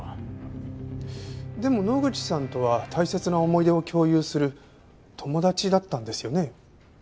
でも野口さんとは大切な思い出を共有する友達だったんですよね？